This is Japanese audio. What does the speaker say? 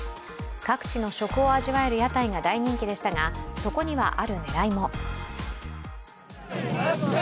各地の食を味わえる屋台が大人気でしたがそこには、ある狙いも。